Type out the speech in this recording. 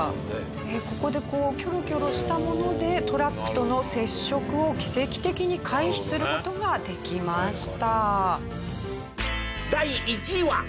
ここでキョロキョロしたものでトラックとの接触を奇跡的に回避する事ができました。